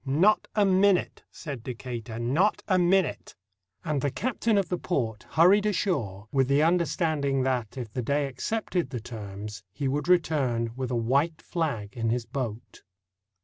"Not a minute," said Decatur, "not a minute"; and the captain of the port hurried ashore with the understanding that if the Dey accepted the terms he would return with a white flag in his boat.